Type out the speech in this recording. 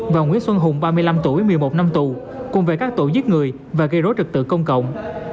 và nguyễn xuân hùng ba mươi năm tuổi một mươi một năm tù cùng về các tội giết người và gây rối trực tự công cộng